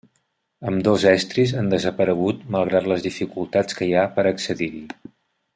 Ambdós estris han desaparegut malgrat les dificultats que hi ha per accedir-hi.